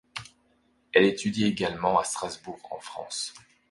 Elle étudie également à Strasbourg, en France.